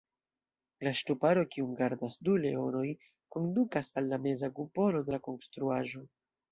La ŝtuparo, kiun gardas du leonoj, kondukas al la meza kupolo de la konstruaĵo.